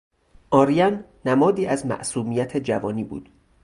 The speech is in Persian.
آرین نمادی از معصومیت جوانی بود.